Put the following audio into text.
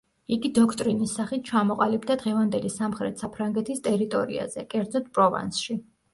იგი დოქტრინის სახით ჩამოყალიბდა დღევანდელი სამხრეთ საფრანგეთის ტერიტორიაზე, კერძოდ პროვანსში.